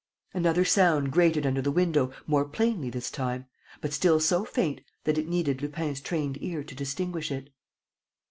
Another sound grated under the window, more plainly this time, but still so faint that it needed Lupin's trained ear to distinguish it.